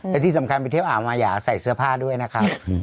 และที่สำคัญไปเที่ยวอ่างมาอย่าใส่เสื้อผ้าด้วยนะครับ